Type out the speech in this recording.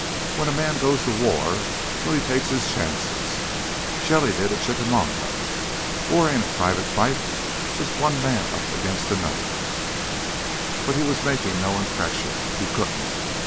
When a man goes to war ... well, he takes his chances. Shelly did at Chickamauga. War ain't a private fight, just one man up against another " But he was making no impression; he couldn't.